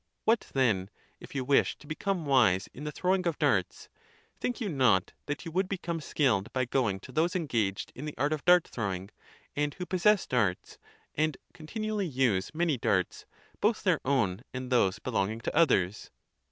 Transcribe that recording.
What then, if you wished to become wise in the throw ing of darts, think you not that you would become skilled by going to those engaged in the art of dart throwing, and who possess darts, and continually use many darts, both their own and those belonging to others?